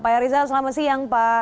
pak rizal selamat siang pak